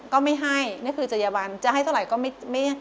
ก็ไม่ให้นี่คือจัยบันจะให้เท่าไหร่ก็ไม่